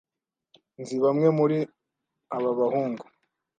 Nzi bamwe muri aba bahungu.